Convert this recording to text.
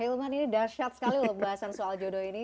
hilman ini dahsyat sekali loh bahasan soal jodoh ini